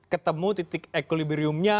ketemu titik equilibriumnya